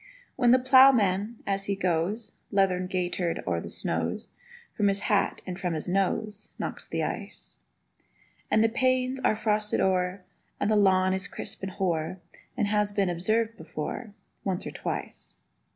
When the ploughman, as he goes Leathern gaitered o'er the snows, From his hat and from his nose Knocks the ice; And the panes are frosted o'er, And the lawn is crisp and hoar, As has been observed before Once or twice.